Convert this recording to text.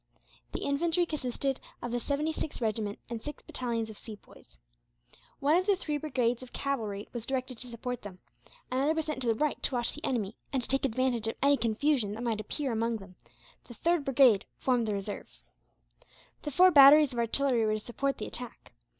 The infantry consisted of the 76th Regiment and six battalions of Sepoys. One of the three brigades of cavalry was directed to support them; another was sent to the right to watch the enemy, and to take advantage of any confusion that might appear among them; the third brigade formed the reserve. The four batteries of artillery were to support the attack.